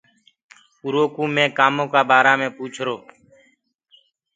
اُرو ڪوُ مي ڪآمونٚ ڪآ بآرآ مي پوُڇرو۔